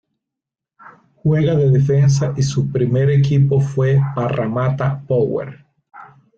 Juega de defensa y su primer equipo fue Parramatta Power.